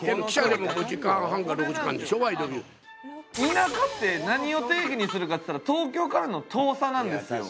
田舎って何を定義にするかっていったら東京からの遠さなんですよ。